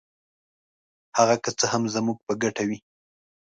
هغه که څه هم زموږ په ګټه وي.